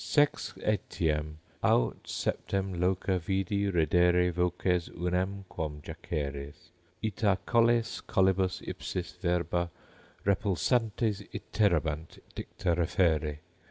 Sex etiam, aut septem loca vidi reddere voces Unam quom jaceres: ita colles collibus ipsis Verba repulsantes iterabant dicta referre.